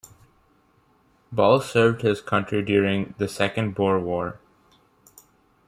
Ball served his country during the Second Boer War.